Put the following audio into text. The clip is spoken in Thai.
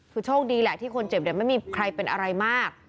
คือโชคดีแหละที่คนเจ็บไม่มีใครเป็นอะไรมาก